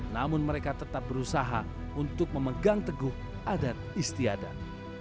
namun mereka tetap berusaha untuk memegang teguh adat istiadat